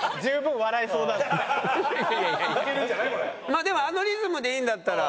まあでもあのリズムでいいんだったら。